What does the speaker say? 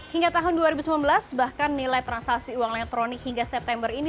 hingga tahun dua ribu sembilan belas bahkan nilai transaksi uang elektronik hingga september ini